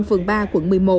phường ba quận một mươi một